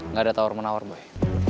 gak ada tawar menawar boy